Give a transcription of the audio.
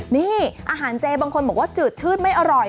นี่อาหารเจบางคนบอกว่าจืดชื่นไม่อร่อย